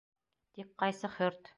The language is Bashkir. Тик ҡайсы хөрт!